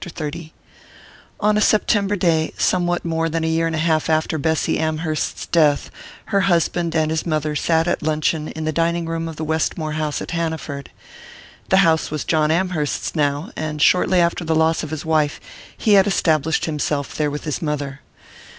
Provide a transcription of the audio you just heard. BOOK IV XXX ON a September day, somewhat more than a year and a half after Bessy Amherst's death, her husband and his mother sat at luncheon in the dining room of the Westmore house at Hanaford. The house was John Amherst's now, and shortly after the loss of his wife he had established himself there with his mother.